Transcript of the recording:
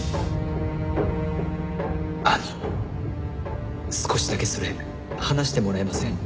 あの少しだけそれ離してもらえません？